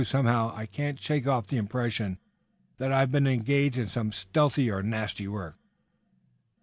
Somehow, I can't shake off the impression that I've been engaged in some stealthy or nasty work."